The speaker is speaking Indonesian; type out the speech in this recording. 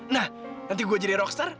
nah nanti gue jadi rockster